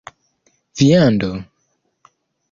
viando